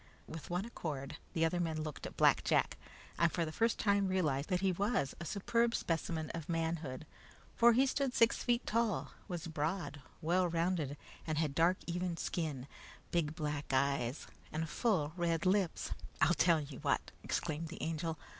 With one accord the other men looked at Black Jack, and for the first time realized that he was a superb specimen of manhood, for he stood six feet tall, was broad, well rounded, and had dark, even skin, big black eyes, and full red lips. "I'll tell you what!" exclaimed the Angel.